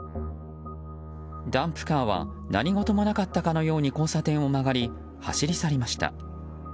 ダンプカーは何事もなかったかのように交差点を曲がり走り去りました。